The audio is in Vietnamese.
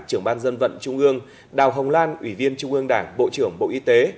trưởng ban dân vận trung ương đào hồng lan ủy viên trung ương đảng bộ trưởng bộ y tế